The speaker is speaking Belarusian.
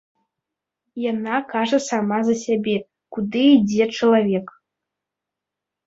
Яна кажа сама за сябе, куды ідзе чалавек.